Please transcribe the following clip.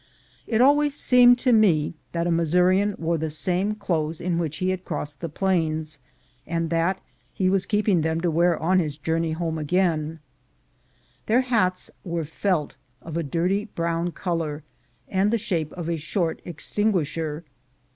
It always seemed to me that a Missourian wore the same clothes in which he had crossed the plains, and that he was keeping them to wear on his journey home again. 146 MINERS' LAW 147 Their hats were felt, of a dirty brown color, and the shape of a short extinguisher.